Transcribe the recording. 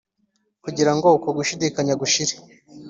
kugira ngo uko gushidikanya gushire